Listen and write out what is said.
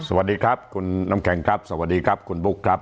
สวัสดีครับคุณน้ำแข็งครับสวัสดีครับคุณบุ๊คครับ